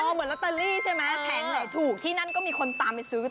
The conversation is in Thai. เหมือนลอตเตอรี่ใช่ไหมแผงไหนถูกที่นั่นก็มีคนตามไปซื้อ